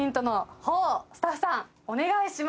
スタッフさんお願いします。